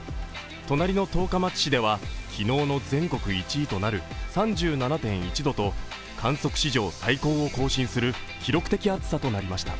隣の十日町市では昨日の全国１位となる３７．１度と観測史上最高を更新する記録的暑さとなりました。